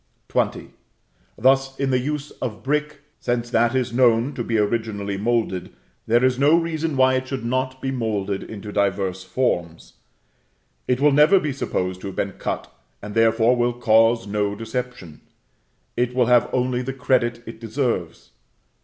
XX. Thus in the use of brick; since that is known to be originally moulded, there is no reason why it should not be moulded into diverse forms. It will never be supposed to have been cut, and therefore, will cause no deception; it will have only the credit it deserves.